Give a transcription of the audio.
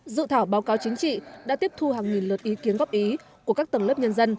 dự thảo báo cáo chính trị đã tiếp thu hàng nghìn lượt ý kiến góp ý của các tầng lớp nhân dân